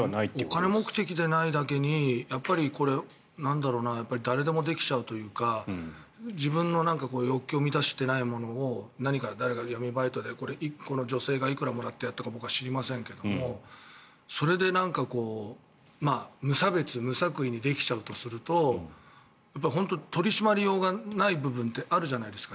お金目的ではないだけに誰でもできちゃうというか自分の欲求を満たしていないものを何か闇バイトで、この女性がいくらもらってやったか僕は知りませんけれどそれで無差別、無作為にできちゃうとすると取り締まりようがない部分ってあるじゃないですか。